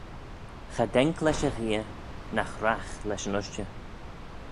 Cha daink lesh y gheay, nagh ragh lesh yn ushtey